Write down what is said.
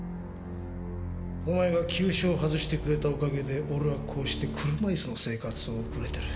お前が急所を外してくれたおかげで俺はこうして車椅子の生活を送れてる。